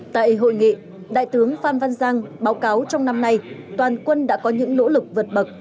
tại hội nghị đại tướng phan văn giang báo cáo trong năm nay toàn quân đã có những nỗ lực vượt bậc